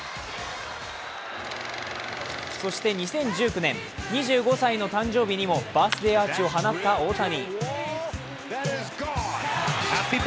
そして２０１９年、２５歳の誕生日にもバースデーアーチを放った大谷。